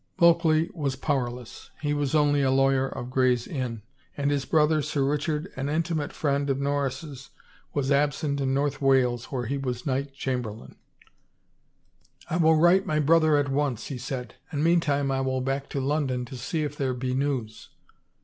Bulkley was powerless. He was only a lawyer of Gray's Inn. And his brother, Sir Richard,' an intimate friend of Norris's, was absent in North Wales where he was knight chamberlain. 322 A BLOW IN THE DARK " I will write my brother at once," he said, " and meantime I will back to London to see if there be news."